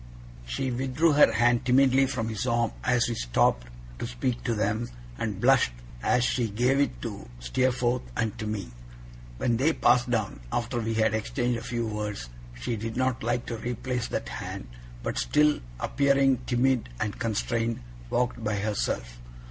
She withdrew her hand timidly from his arm as we stopped to speak to them, and blushed as she gave it to Steerforth and to me. When they passed on, after we had exchanged a few words, she did not like to replace that hand, but, still appearing timid and constrained, walked by herself.